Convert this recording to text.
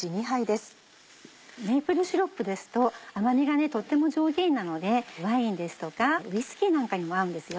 メープルシロップですと甘味がとっても上品なのでワインとかウイスキーなんかにも合うんですよ。